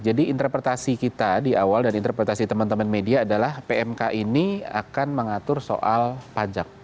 jadi interpretasi kita di awal dan interpretasi teman teman media adalah pmk ini akan mengatur soal pajak